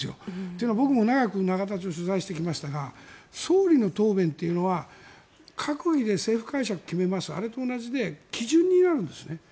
というのは僕も長く永田町を取材してきましたが総理の答弁っていうのは閣議で政府解釈を決めますあれと同じで基準になるんですね。